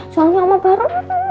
soalnya oma baru